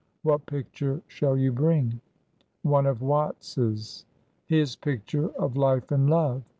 *' What picture shall you bring ?"" One of Watts's. His picture of ' Life and Love.